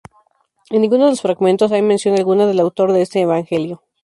En ninguno de los fragmentos hay mención alguna del autor de este evangelio.